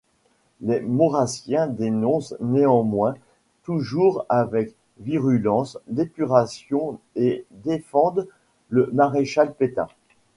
Les maurrassiens dénoncent néanmoins toujours avec virulence l'épuration et défendent le Maréchal Pétain.